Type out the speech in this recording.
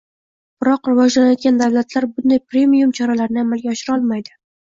Biroq, rivojlanayotgan davlatlar bunday "premium" choralarini amalga oshira olmaydi